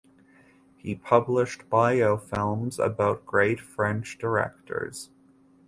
He published "biofilms" about great French directors.